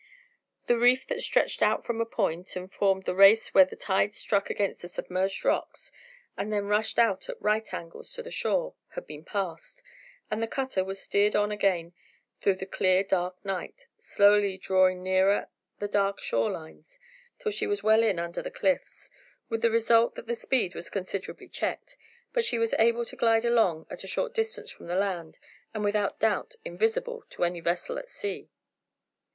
The reef that stretched out from a point, and formed the race where the tide struck against the submerged rocks, and then rushed out at right angles to the shore, had been passed, and the cutter was steered on again through the clear dark night, slowly drawing nearer the dark shore line, till she was well in under the cliffs; with the result that the speed was considerably checked, but she was able to glide along at a short distance from the land, and without doubt invisible to any vessel at sea.